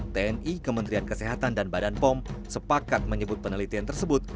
tni kementerian kesehatan dan badan pom sepakat menyebut penelitian tersebut